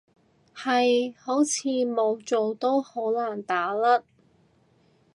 係，好似冇做都好難打甩